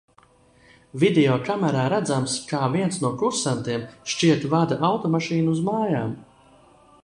Video kamerā redzams, kā viens no kursantiem, šķiet, vada automašīnu uz mājām.